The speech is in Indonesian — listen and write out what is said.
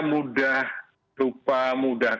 mudah lupa mudah